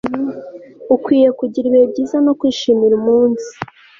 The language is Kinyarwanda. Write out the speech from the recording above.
ukwiye kugira ibihe byiza no kwishimira umunsi